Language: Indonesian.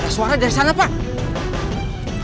suara dari sana pak